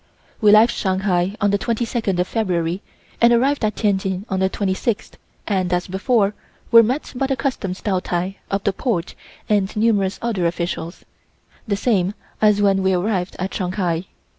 We left Shanghai on the 22d of February and arrived at Tientsin on the 26th, and, as before, were met by the Customs Taotai of the port and numerous other officials (the same as when we arrived at Shanghai).